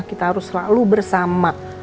kita harus selalu bersama